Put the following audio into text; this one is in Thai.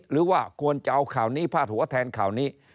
หรือว่าควรจะเอาข่าวนี้พาดหัวแทนข่าวนี้